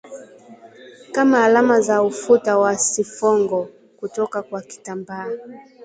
kama alama za ufuta wa sifongo kutoka kwa kitambaa